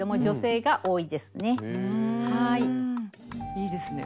いいですね。